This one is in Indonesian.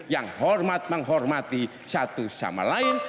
yang hormat menghormati satu sama lain